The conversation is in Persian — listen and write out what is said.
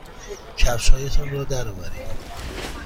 کفشهایتان را درآورید.